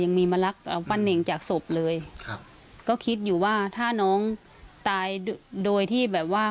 ยังมีมารักปั้นเน่งจากศพเลยครับก็คิดอยู่ว่าถ้าน้องตายโดยที่แบบว่า